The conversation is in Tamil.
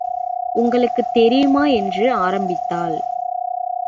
உங்களுக்குத் தெரியுமா? என்று ஆரம்பித்தாள்.